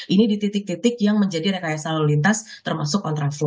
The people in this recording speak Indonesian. ini di titik titik yang menjadi rekayasa lalu lintas termasuk kontra flow